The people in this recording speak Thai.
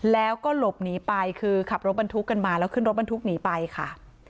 แล้วก็หลบหนีไปคือขับรถบรรทุกกันมาแล้วขึ้นรถบรรทุกหนีไปค่ะ